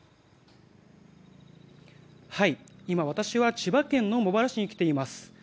今、私は千葉県の茂原市に来ています。